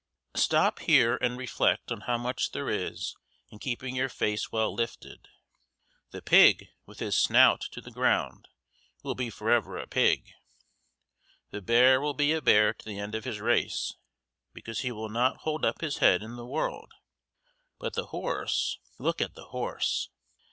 Stop here and reflect on how much there is in keeping your face well lifted. The pig with his snout to the ground will be forever a pig; the bear will be a bear to the end of his race, because he will not hold up his head in the world; but the horse look at the horse!